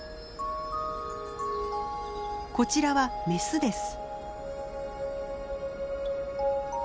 こちらはメスです。